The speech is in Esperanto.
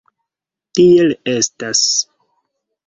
Tiel estas.